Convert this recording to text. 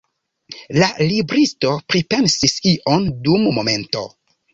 La libristo pripensis ion dum momento.